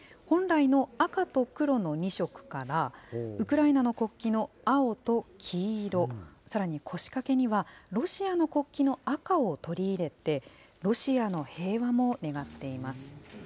本来の赤と黒の２色から、ウクライナの国旗の青と黄色、さらにこしかけには、ロシアの国旗の赤を取り入れて、ロシアの平和も願っています。